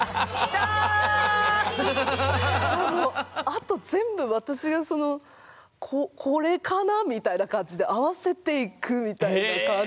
あと全部私がその「これかな？」みたいな感じで合わせていくみたいな感じだったから。